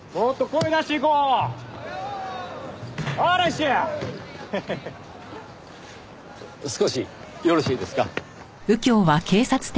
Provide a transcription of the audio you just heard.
少しよろしいですか？